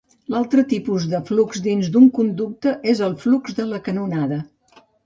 L'altre tipus de flux dins d'un conducte és el flux de la canonada.